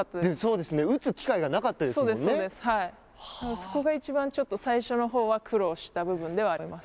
そこがいちばん最初のほうは苦労した部分ではあります。